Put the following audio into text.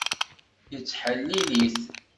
Yettḥellil-it.